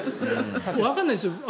わからないですよ。